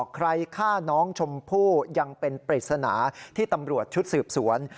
ใครฆ่าน้องชมพู่ยังเป็นปริศนาที่ตำรวจชุดสืบสวน